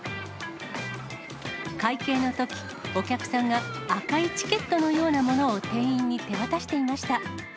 会計のとき、お客さんが赤いチケットのようなものを店員に手渡していました。